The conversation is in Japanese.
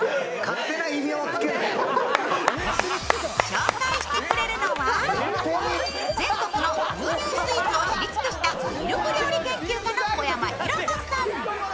紹介してくれるのは、全国の牛乳スイーツを知り尽くしたミルク料理研究家の小山浩子さん。